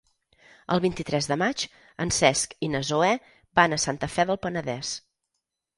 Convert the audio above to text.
El vint-i-tres de maig en Cesc i na Zoè van a Santa Fe del Penedès.